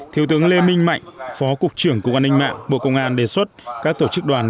thiếu tướng lê minh mạnh phó cục trưởng cục an ninh mạng bộ công an đề xuất các tổ chức đoàn